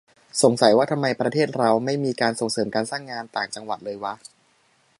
สงสัยว่าทำไม ประเทศเราไม่มีการส่งเสริมการสร้างงาน ต่างจังหวัดเลยวะ